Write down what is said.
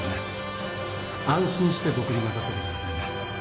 安心して僕に任せてくださいね。